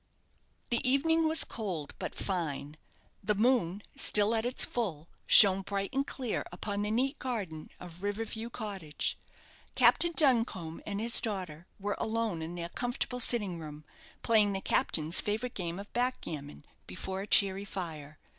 The evening was cold, but fine; the moon, still at its full, shone bright and clear upon the neat garden of River View Cottage. Captain Duncombe and his daughter were alone in their comfortable sitting room, playing the Captain's favourite game of backgammon, before a cheery fire.